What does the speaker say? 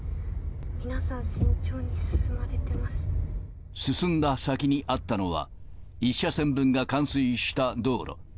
皆さん、進んだ先にあったのは、１車線分が冠水した道路。